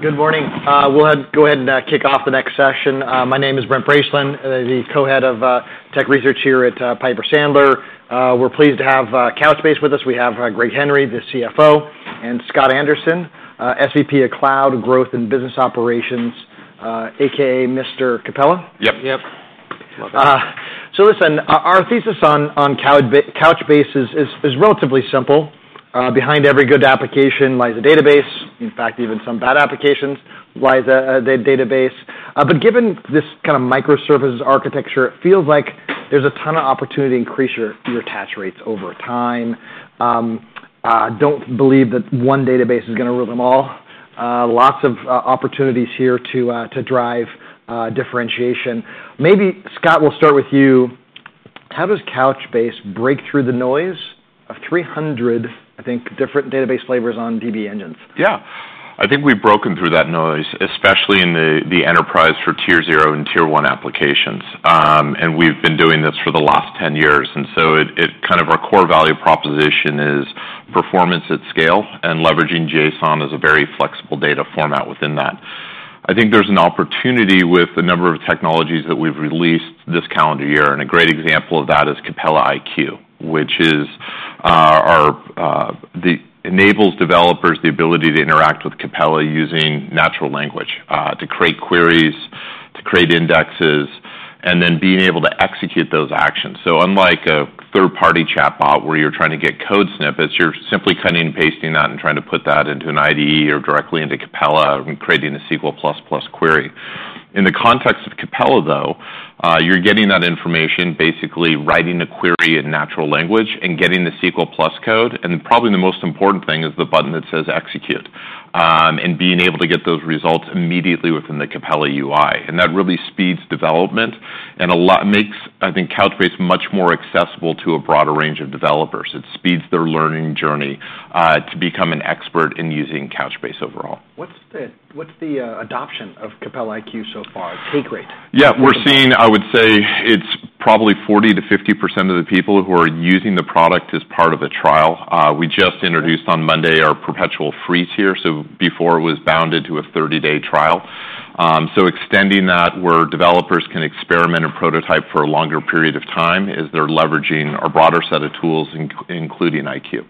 Good morning. We'll go ahead and kick off the next session. My name is Brent Bracelin, the Co-Head of Tech Research here at Piper Sandler. We're pleased to have Couchbase with us. We have Greg Henry, the CFO, and Scott Anderson, SVP of Cloud Growth and Business Operations, AKA Mr. Capella? Yep. Yep. So listen, our thesis on Couchbase is relatively simple. Behind every good application lies a database. In fact, even some bad applications lies a database. But given this kind of microservice architecture, it feels like there's a ton of opportunity to increase your attach rates over time. Don't believe that one database is gonna rule them all. Lots of opportunities here to drive differentiation. Maybe, Scott, we'll start with you. How does Couchbase break through the noise of three hundred, I think, different database flavors on DB-Engines? Yeah. I think we've broken through that noise, especially in the enterprise for Tier 0 and Tier 1 applications, and we've been doing this for the last 10 years, and so kind of our core value proposition is performance at scale, and leveraging JSON is a very flexible data format within that. I think there's an opportunity with the number of technologies that we've released this calendar year, and a great example of that is Capella iQ, which is our enables developers the ability to interact with Capella using natural language to create queries, to create indexes, and then being able to execute those actions, so unlike a third-party chatbot, where you're trying to get code snippets, you're simply cutting and pasting that and trying to put that into an IDE or directly into Capella and creating a SQL++ query. In the context of Capella, though, you're getting that information, basically writing a query in natural language and getting the SQL++ code, and probably the most important thing is the button that says Execute, and being able to get those results immediately within the Capella UI, and that really speeds development, and a lot makes, I think, Couchbase much more accessible to a broader range of developers. It speeds their learning journey to become an expert in using Couchbase overall. What's the adoption of Capella iQ so far? Take rate. Yeah. We're seeing... I would say it's probably 40%-50% of the people who are using the product as part of a trial. We just introduced on Monday our perpetual free tier here, so before it was bound to a 30-day trial. So extending that, where developers can experiment and prototype for a longer period of time, is they're leveraging our broader set of tools, including iQ.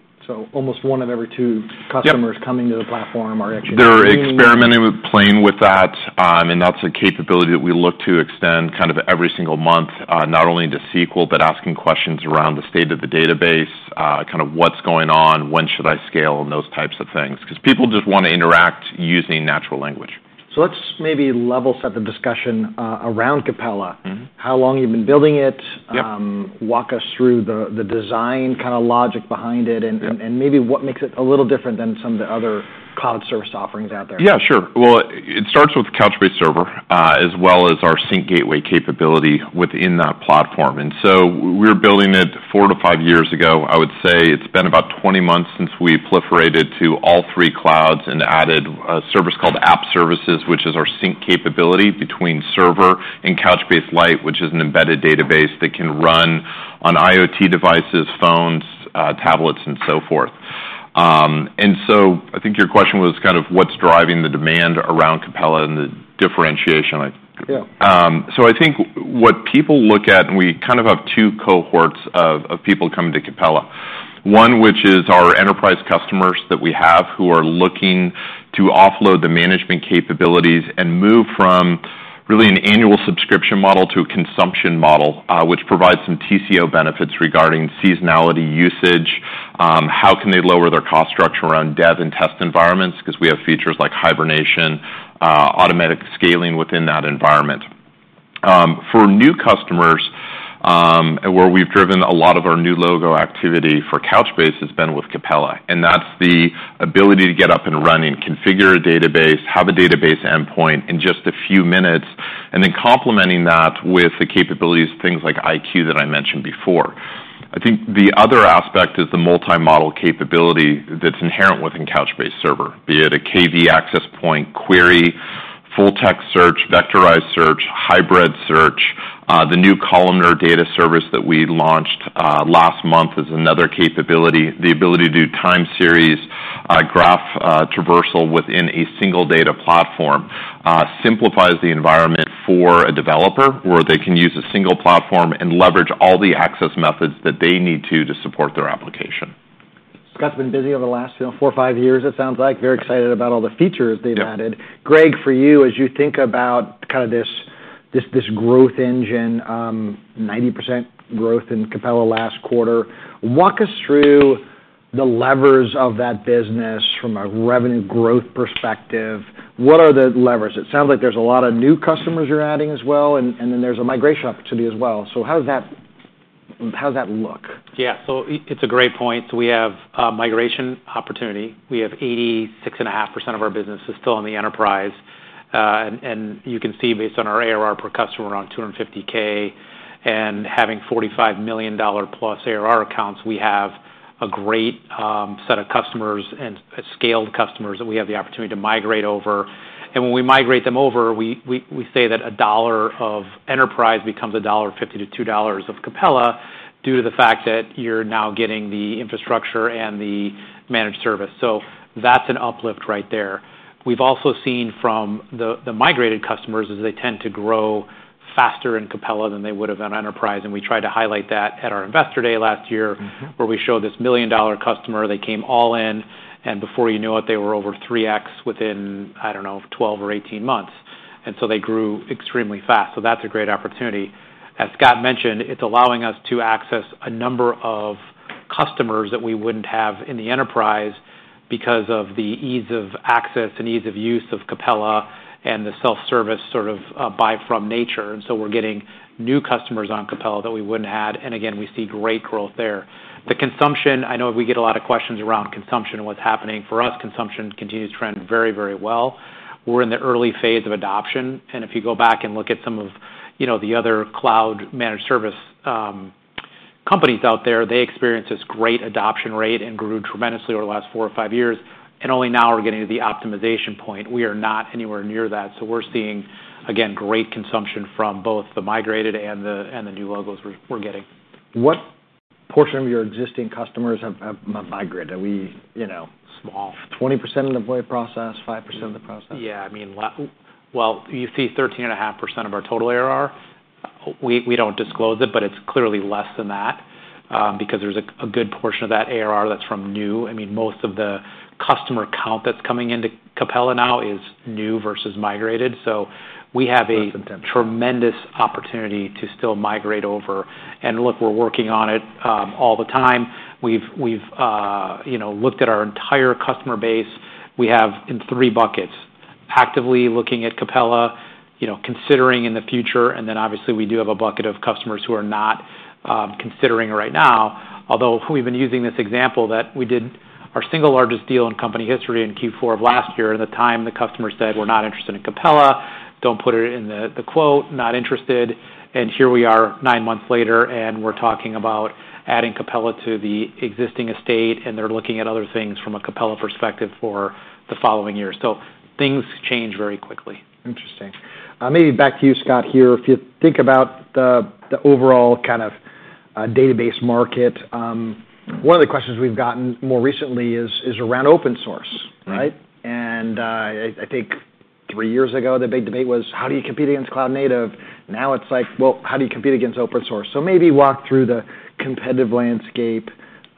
Almost one of every two- Yep customers coming to the platform are actually- They're experimenting with playing with that, and that's a capability that we look to extend kind of every single month, not only into SQL, but asking questions around the state of the database, kind of what's going on, when should I scale, and those types of things, 'cause people just want to interact using natural language. So let's maybe level set the discussion around Capella. Mm-hmm. How long you've been building it? Yep. Walk us through the design, kind of logic behind it. Yep... and maybe what makes it a little different than some of the other cloud service offerings out there. Yeah, sure. Well, it starts with Couchbase Server, as well as our Sync Gateway capability within that platform. And so we're building it four to five years ago. I would say it's been about twenty months since we proliferated to all three clouds and added a service called App Services, which is our sync capability between Server and Couchbase Lite, which is an embedded database that can run on IoT devices, phones, tablets, and so forth. And so I think your question was kind of what's driving the demand around Capella and the differentiation, I- Yeah. So I think what people look at, and we kind of have two cohorts of people coming to Capella. One, which is our enterprise customers that we have, who are looking to offload the management capabilities and move from really an annual subscription model to a consumption model, which provides some TCO benefits regarding seasonality usage, how can they lower their cost structure around dev and test environments? 'Cause we have features like hibernation, automatic scaling within that environment. For new customers, and where we've driven a lot of our new logo activity for Couchbase has been with Capella, and that's the ability to get up and running, configure a database, have a database endpoint in just a few minutes, and then complementing that with the capabilities of things like IQ that I mentioned before. I think the other aspect is the multi-model capability that's inherent within Couchbase Server, be it a KV access point query, full-text search, vectorized search, hybrid search. The new columnar data service that we launched last month is another capability. The ability to do time series, graph traversal within a single data platform simplifies the environment for a developer, where they can use a single platform and leverage all the access methods that they need to, to support their application. Scott's been busy over the last, you know, four or five years, it sounds like. Very excited about all the features they've added. Yeah. Greg, for you, as you think about kind of this growth engine, 90% growth in Capella last quarter, walk us through the levers of that business from a revenue growth perspective. What are the levers? It sounds like there's a lot of new customers you're adding as well, and then there's a migration opportunity as well. So how does that look? Yeah, so it's a great point. So we have a migration opportunity. We have 86.5% of our business is still in the enterprise, and you can see, based on our ARR per customer, around $250, and having $45 million+ ARR accounts, we have a great set of customers and scaled customers that we have the opportunity to migrate over, and when we migrate them over, we say that a dollar of enterprise becomes a dollar fifty to two dollars of Capella due to the fact that you're now getting the infrastructure and the managed service. So that's an uplift right there. We've also seen from the migrated customers is they tend to grow faster in Capella than they would have in enterprise, and we tried to highlight that at our investor day last year- Mm-hmm. where we showed this $1 million customer, they came all in, and before you knew it, they were over 3X within, I don't know, 12 or 18 months, and so they grew extremely fast, so that's a great opportunity. As Scott mentioned, it's allowing us to access a number of customers that we wouldn't have in the enterprise because of the ease of access and ease of use of Capella and the self-service sort of buy-from nature. And so we're getting new customers on Capella that we wouldn't have had, and again, we see great growth there. The consumption, I know we get a lot of questions around consumption and what's happening. For us, consumption continues to trend very, very well. We're in the early phase of adoption, and if you go back and look at some of, you know, the other cloud-managed service companies out there, they experienced this great adoption rate and grew tremendously over the last four or five years, and only now are we getting to the optimization point. We are not anywhere near that, so we're seeing, again, great consumption from both the migrated and the new logos we're getting. What portion of your existing customers have migrated? Are we, you know- Small. 20% of the way process, 5% of the process? Yeah, I mean, you see 13.5% of our total ARR. We don't disclose it, but it's clearly less than that, because there's a good portion of that ARR that's from new. I mean, most of the customer count that's coming into Capella now is new versus migrated, so we have a- Less than ten.... tremendous opportunity to still migrate over. And look, we're working on it all the time. We've you know, looked at our entire customer base. We have in three buckets: actively looking at Capella, you know, considering in the future, and then, obviously, we do have a bucket of customers who are not considering right now. Although we've been using this example that we did our single largest deal in company history in Q4 of last year, and at the time the customer said, "We're not interested in Capella. Don't put it in the quote. Not interested." And here we are, nine months later, and we're talking about adding Capella to the existing estate, and they're looking at other things from a Capella perspective for the following year. So things change very quickly. Interesting. Maybe back to you, Scott, here. If you think about the overall kind of database market, one of the questions we've gotten more recently is around open source, right? Mm-hmm. And, I think three years ago, the big debate was: How do you compete against cloud native? Now it's like, well, how do you compete against open source? So maybe walk through the competitive landscape,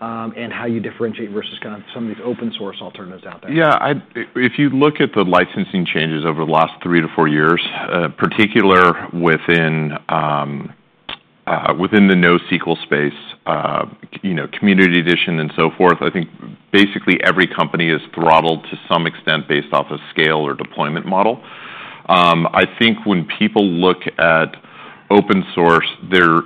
and how you differentiate versus kind of some of these open source alternatives out there. Yeah, if you look at the licensing changes over the last three to four years, particularly within the NoSQL space, you know, community edition and so forth, I think basically every company is throttled to some extent based off of scale or deployment model. I think when people look at open source, they're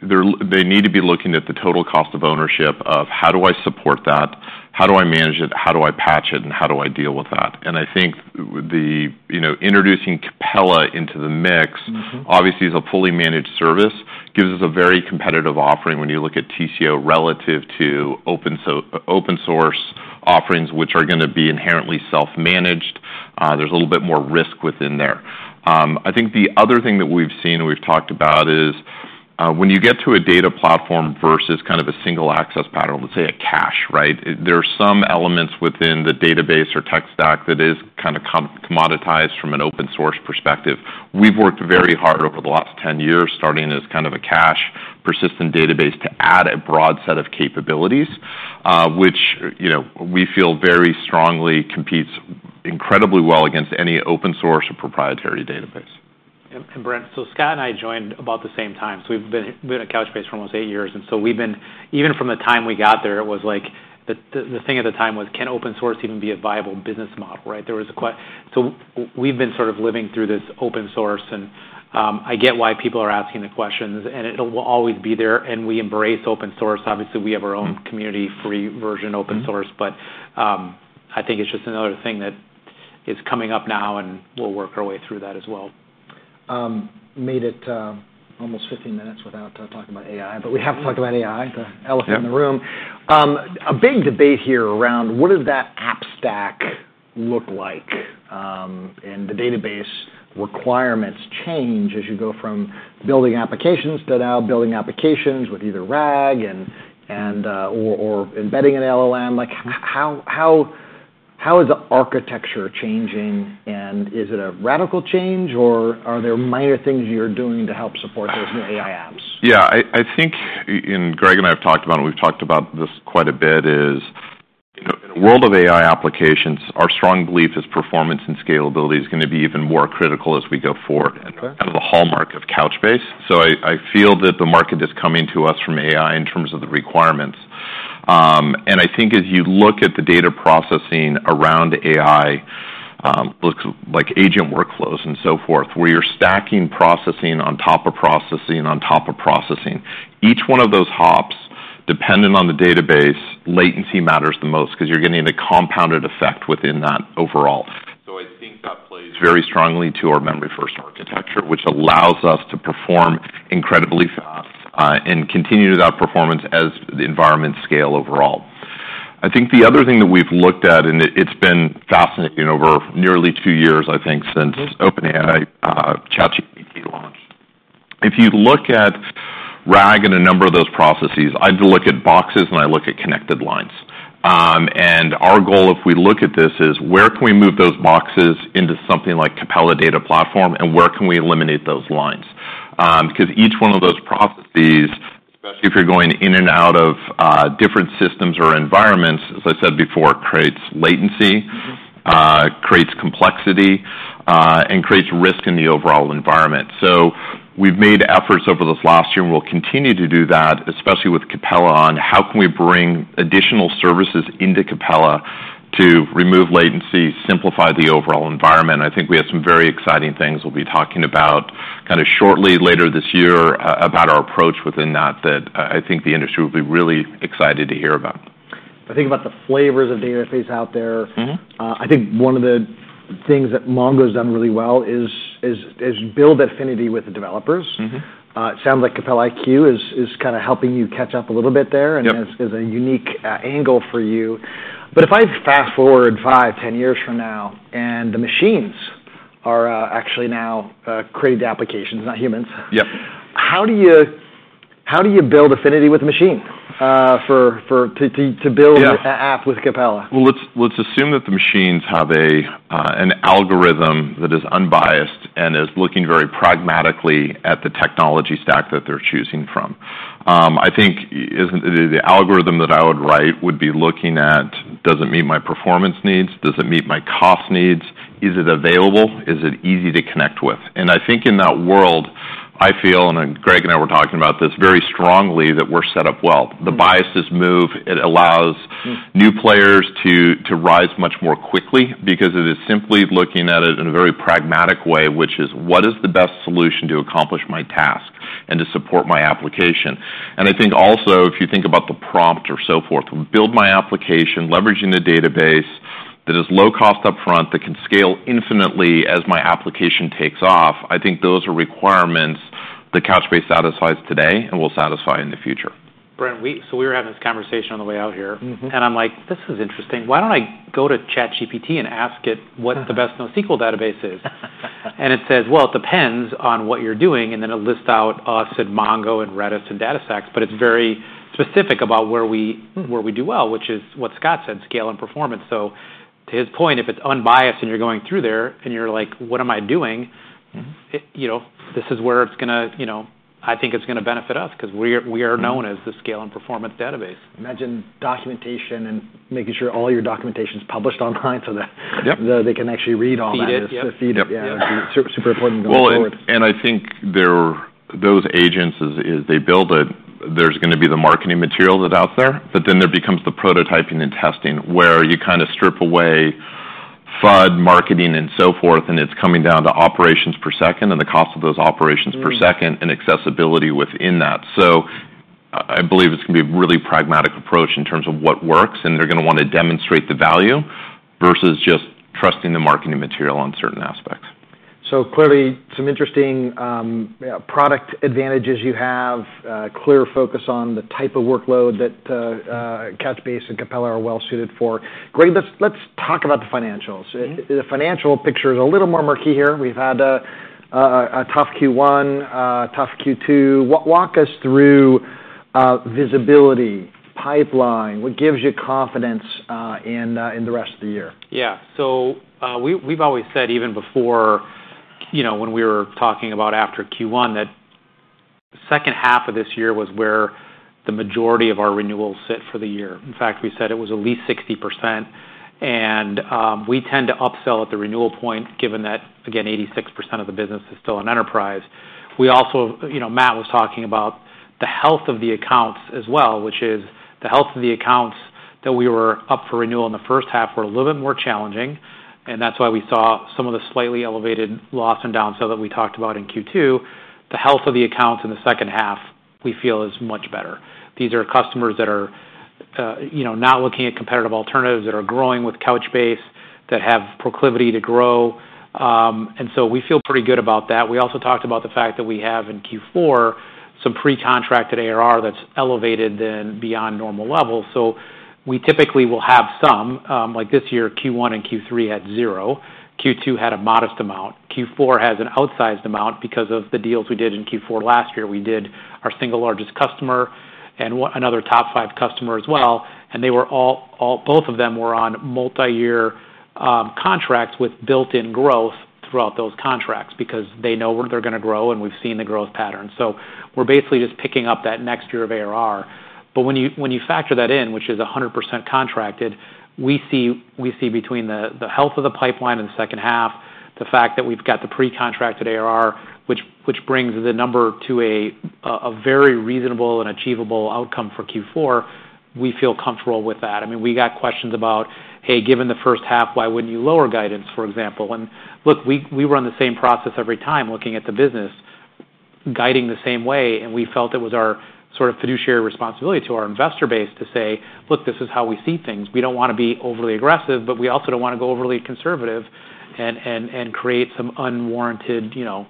they need to be looking at the total cost of ownership, of how do I support that? How do I manage it? How do I patch it, and how do I deal with that? And I think, you know, introducing Capella into the mix- Mm-hmm... obviously, is a fully managed service, gives us a very competitive offering when you look at TCO relative to open source offerings, which are gonna be inherently self-managed. There's a little bit more risk within there. I think the other thing that we've seen and we've talked about is, when you get to a data platform versus kind of a single access pattern, let's say a cache, right? There are some elements within the database or tech stack that is kinda commoditized from an open source perspective. We've worked very hard over the last 10 years, starting as kind of a cache persistent database, to add a broad set of capabilities, which, you know, we feel very strongly competes incredibly well against any open source or proprietary database. Brent, so Scott and I joined about the same time, so we've been at Couchbase for almost eight years, and so we've been even from the time we got there. It was like the thing at the time was, can open source even be a viable business model, right? We've been sort of living through this open source, and I get why people are asking the questions, and it'll always be there, and we embrace open source. Obviously, we have our own community free version, open source. Mm-hmm. But, I think it's just another thing that is coming up now, and we'll work our way through that as well. Made it almost fifteen minutes without talking about AI, but we have to talk about AI, the elephant in the room. Yeah. A big debate here around what does that app stack look like? The database requirements change as you go from building applications to now building applications with either RAG or embedding an LLM. Like, how is the architecture changing, and is it a radical change, or are there minor things you're doing to help support those new AI apps? Yeah, I think, and Greg and I have talked about it. We've talked about this quite a bit. You know, in a world of AI applications, our strong belief is performance and scalability is gonna be even more critical as we go forward- Okay... out of the hallmark of Couchbase. So I feel that the market is coming to us from AI in terms of the requirements. And I think as you look at the data processing around AI, looks like agent workflows and so forth, where you're stacking processing on top of processing on top of processing. Each one of those hops, dependent on the database, latency matters the most because you're getting a compounded effect within that overall. So I think that plays very strongly to our memory first architecture, which allows us to perform incredibly fast and continue that performance as the environment scale overall. I think the other thing that we've looked at, and it's been fascinating over nearly two years, I think, since OpenAI ChatGPT launched. If you look at RAG and a number of those processes, I'd look at boxes, and I look at connected lines. And our goal, if we look at this, is: where can we move those boxes into something like Capella data platform, and where can we eliminate those lines? 'Cause each one of those properties, especially if you're going in and out of different systems or environments, as I said before, creates latency- Mm-hmm. creates complexity, and creates risk in the overall environment. So we've made efforts over this last year, and we'll continue to do that, especially with Capella, on how can we bring additional services into Capella to remove latency, simplify the overall environment? I think we have some very exciting things we'll be talking about kind of shortly, later this year, about our approach within that, I think the industry will be really excited to hear about. If I think about the flavors of databases out there- Mm-hmm. I think one of the things that Mongo's done really well is build affinity with the developers. Mm-hmm. It sounds like Capella iQ is kind of helping you catch up a little bit there. Yep... and is a unique angle for you. But if I fast-forward five, ten years from now, and the machines are actually now creating the applications, not humans- Yep... how do you build affinity with the machine for to build- Yeah An app with Capella? Let's assume that the machines have an algorithm that is unbiased and is looking very pragmatically at the technology stack that they're choosing from. I think the algorithm that I would write would be looking at: Does it meet my performance needs? Does it meet my cost needs? Is it available? Is it easy to connect with? And I think in that world, I feel, and Greg and I were talking about this, very strongly, that we're set up well. Mm-hmm. The biases move, it allows- Mm... new players to rise much more quickly because it is simply looking at it in a very pragmatic way, which is: What is the best solution to accomplish my task and to support my application? And I think also, if you think about the prompt or so forth, build my application, leveraging the database that is low cost upfront, that can scale infinitely as my application takes off, I think those are requirements that Couchbase satisfies today and will satisfy in the future. Brent, so we were having this conversation on the way out here. Mm-hmm. I'm like, "This is interesting. Why don't I go to ChatGPT and ask it what the best NoSQL database is?" It says, "Well, it depends on what you're doing," and then it'll list out us and Mongo and Redis and DataStax, but it's very specific about where we- Mm... where we do well, which is what Scott said, scale and performance. So to his point, if it's unbiased and you're going through there, and you're like, "What am I doing? Mm-hmm. It, you know, this is where it's gonna... You know, I think it's gonna benefit us 'cause we're, we are known- Mm... as the scale and performance database. Imagine documentation and making sure all your documentation is published online so that- Yep... they can actually read all that. See it, yep. So see it. Yep. Yeah, super important going forward. I think those agents, as they build it, there's gonna be the marketing material that's out there, but then there becomes the prototyping and testing, where you kind of strip away FUD, marketing, and so forth, and it's coming down to operations per second and the cost of those operations per second. Mm... and accessibility within that. So I believe it's gonna be a really pragmatic approach in terms of what works, and they're gonna want to demonstrate the value versus just trusting the marketing material on certain aspects. Clearly, some interesting product advantages you have, clear focus on the type of workload that Couchbase and Capella are well suited for. Greg, let's talk about the financials. Mm-hmm. The financial picture is a little more murky here. We've had a tough Q1, a tough Q2. Walk us through visibility, pipeline, what gives you confidence in the rest of the year? Yeah. So, we, we've always said, even before, you know, when we were talking about after Q1, that second half of this year was where the majority of our renewals sit for the year. In fact, we said it was at least 60%, and we tend to upsell at the renewal point, given that, again, 86% of the business is still in enterprise. We also... You know, Matt was talking about the health of the accounts as well, which is the health of the accounts that we were up for renewal in the first half were a little bit more challenging, and that's why we saw some of the slightly elevated loss and downsell that we talked about in Q2. The health of the accounts in the second half, we feel is much better. These are customers that are, you know, not looking at competitive alternatives, that are growing with Couchbase, that have proclivity to grow. And so we feel pretty good about that. We also talked about the fact that we have, in Q4, some pre-contracted ARR that's elevated than beyond normal levels. So we typically will have some. Like, this year, Q1 and Q3 had zero. Q2 had a modest amount. Q4 has an outsized amount because of the deals we did in Q4 last year. We did our single largest customer and another top five customer as well, and they were both of them were on multiyear, contracts with built-in growth throughout those contracts because they know where they're gonna grow, and we've seen the growth pattern. So we're basically just picking up that next year of ARR. But when you factor that in, which is 100% contracted, we see between the health of the pipeline in the second half, the fact that we've got the pre-contracted ARR, which brings the number to a very reasonable and achievable outcome for Q4, we feel comfortable with that. I mean, we got questions about, "Hey, given the first half, why wouldn't you lower guidance?" for example. And look, we run the same process every time, looking at the business, guiding the same way, and we felt it was our sort of fiduciary responsibility to our investor base to say, "Look, this is how we see things." We don't wanna be overly aggressive, but we also don't wanna go overly conservative and create some unwarranted, you know,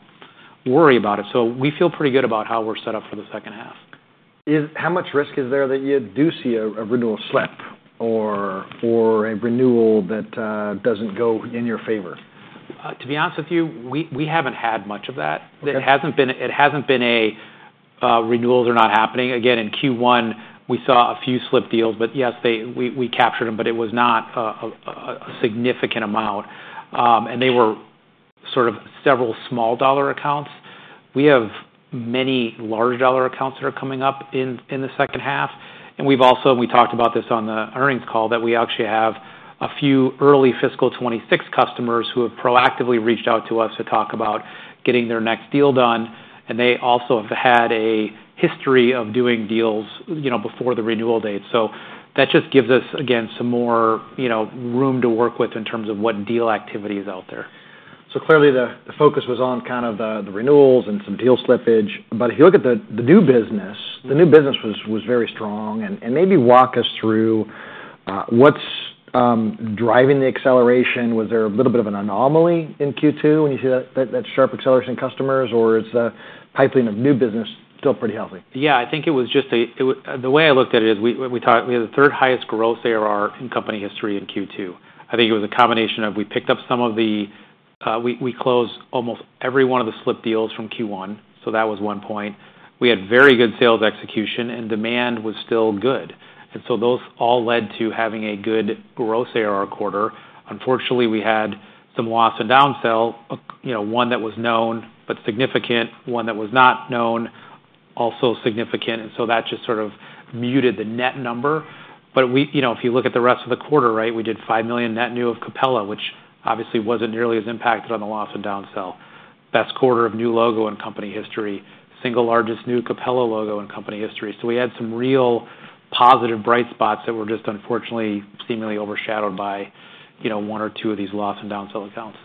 worry about it. So we feel pretty good about how we're set up for the second half. How much risk is there that you do see a renewal slip or a renewal that doesn't go in your favor? To be honest with you, we haven't had much of that. Okay. It hasn't been a renewals are not happening. Again, in Q1, we saw a few slipped deals, but yes, they... We captured them, but it was not a significant amount. And they were sort of several small dollar accounts. We have many large dollar accounts that are coming up in the second half, and we've also... We talked about this on the earnings call, that we actually have a few early fiscal 2026 customers who have proactively reached out to us to talk about getting their next deal done, and they also have had a history of doing deals, you know, before the renewal date. So that just gives us, again, some more, you know, room to work with in terms of what deal activity is out there. So clearly, the focus was on kind of the renewals and some deal slippage. But if you look at the new business, the new business was very strong. And maybe walk us through what's driving the acceleration. Was there a little bit of an anomaly in Q2 when you see that sharp acceleration in customers, or is the pipeline of new business still pretty healthy? Yeah, I think it was just the way I looked at it is we thought we had the third highest gross ARR in company history in Q2. I think it was a combination of we picked up some of the. We closed almost every one of the slipped deals from Q1, so that was one point. We had very good sales execution, and demand was still good, and so those all led to having a good gross ARR quarter. Unfortunately, we had some loss in down-sell, you know, one that was known but significant, one that was not known, also significant, and so that just sort of muted the net number. But we... You know, if you look at the rest of the quarter, right, we did $5 million net new of Capella, which obviously wasn't nearly as impacted on the loss and down-sell. Best quarter of new logo in company history, single largest new Capella logo in company history. So we had some real positive bright spots that were just, unfortunately, seemingly overshadowed by, you know, one or two of these loss and down-sell accounts.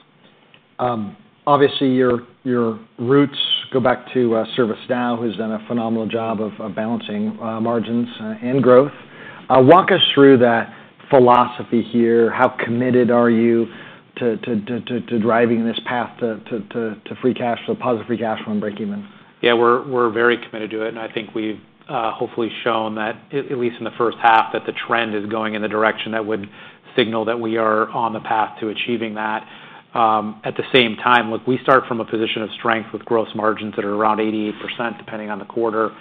Obviously, your roots go back to ServiceNow, who's done a phenomenal job of balancing margins and growth. Walk us through that philosophy here. How committed are you to driving this path to free cash flow, positive free cash flow and breakeven? Yeah, we're, we're very committed to it, and I think we've hopefully shown that, at, at least in the first half, that the trend is going in the direction that would signal that we are on the path to achieving that. At the same time, look, we start from a position of strength with gross margins that are around 88%, depending on the quarter,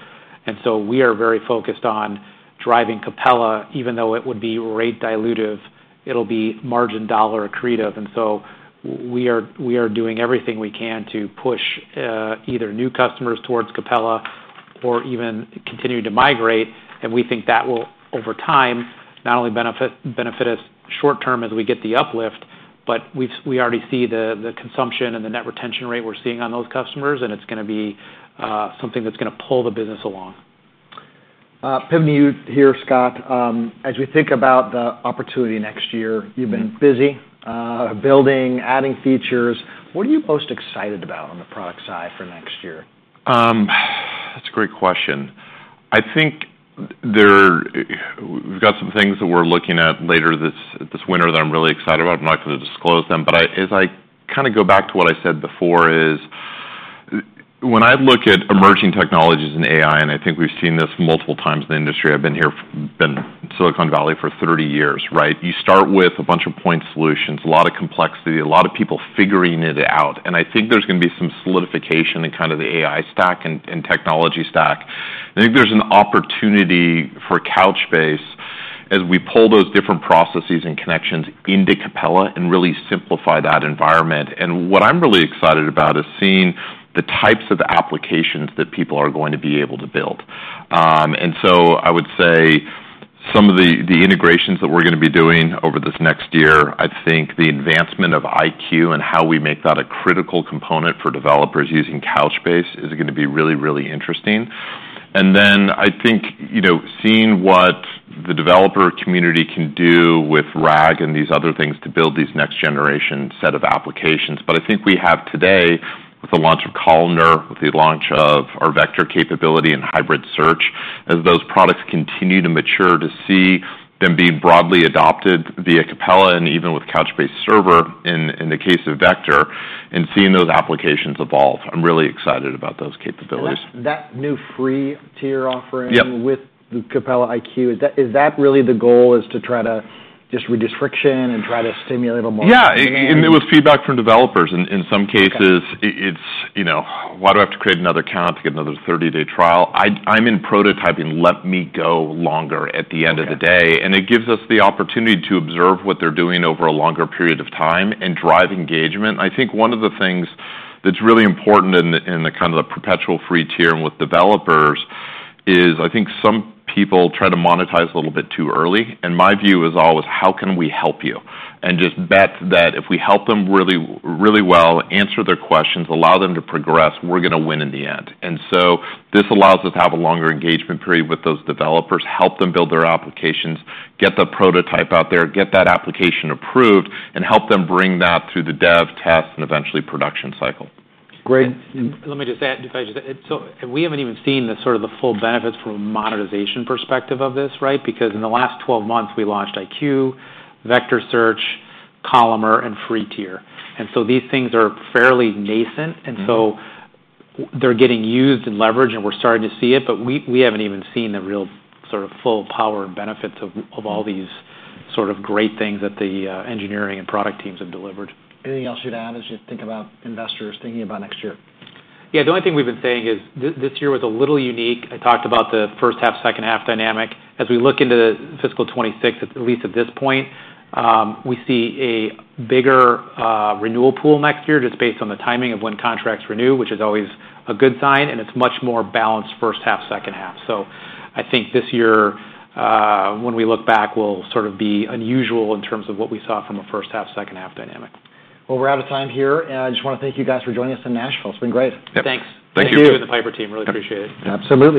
and so we are very focused on driving Capella. Even though it would be rate dilutive, it'll be margin dollar accretive. And so we are doing everything we can to push either new customers towards Capella or even continuing to migrate, and we think that will, over time, not only benefit us short term as we get the uplift, but we already see the consumption and the net retention rate we're seeing on those customers, and it's gonna be something that's gonna pull the business along. Pivney, you here, Scott. As we think about the opportunity next year, you've been busy, building, adding features. What are you most excited about on the product side for next year? That's a great question. I think there. We've got some things that we're looking at later this winter that I'm really excited about. I'm not gonna disclose them, but I. As I kinda go back to what I said before, is when I look at emerging technologies in AI, and I think we've seen this multiple times in the industry. I've been in Silicon Valley for thirty years, right? You start with a bunch of point solutions, a lot of complexity, a lot of people figuring it out, and I think there's gonna be some solidification in kind of the AI stack and technology stack. I think there's an opportunity for Couchbase as we pull those different processes and connections into Capella and really simplify that environment. What I'm really excited about is seeing the types of applications that people are going to be able to build. I would say some of the integrations that we're gonna be doing over this next year. I think the advancement of IQ and how we make that a critical component for developers using Couchbase is gonna be really, really interesting. I think, you know, seeing what the developer community can do with RAG and these other things to build these next generation set of applications. I think we have today, with the launch of Columnar, with the launch of our vector capability and hybrid search, as those products continue to mature, to see them being broadly adopted via Capella and even with Couchbase Server, in the case of Vector, and seeing those applications evolve. I'm really excited about those capabilities. That new free tier offering- Yep... with the Capella iQ, is that really the goal, is to try to just reduce friction and try to stimulate a more- Yeah! -demand? And it was feedback from developers. In some cases- Okay... it's, you know, "Why do I have to create another account to get another thirty-day trial? I'm in prototyping. Let me go longer at the end of the day. Okay. It gives us the opportunity to observe what they're doing over a longer period of time and drive engagement. I think one of the things that's really important in the kind of perpetual free tier and with developers is, I think some people try to monetize a little bit too early, and my view is always: How can we help you? Just bet that if we help them really, really well, answer their questions, allow them to progress, we're gonna win in the end. So this allows us to have a longer engagement period with those developers, help them build their applications, get the prototype out there, get that application approved, and help them bring that through the dev test and eventually production cycle. Great- Let me just add. So and we haven't even seen the sort of full benefits from a monetization perspective of this, right? Because in the last 12 months, we launched IQ, vector search, Columnar, and free tier, and so these things are fairly nascent. Mm-hmm. And so they're getting used and leveraged, and we're starting to see it, but we haven't even seen the real sort of full power and benefits of all these sort of great things that the engineering and product teams have delivered. Anything else you'd add as you think about investors thinking about next year? Yeah, the only thing we've been saying is this year was a little unique. I talked about the first half, second half dynamic. As we look into fiscal 2026, at least at this point, we see a bigger renewal pool next year, just based on the timing of when contracts renew, which is always a good sign, and it's much more balanced first half, second half. So I think this year, when we look back, will sort of be unusual in terms of what we saw from a first half, second half dynamic. We're out of time here, and I just wanna thank you guys for joining us in Nashville. It's been great. Yep. Thanks. Thank you. Thank you to the Piper team. Really appreciate it. Absolutely.